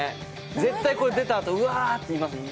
絶対これ出たあと「うわー！」って言いますもんね。